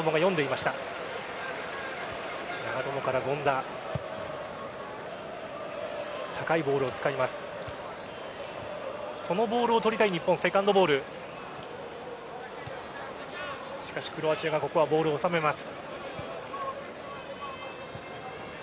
しかし、ここはクロアチアがボールを収めます。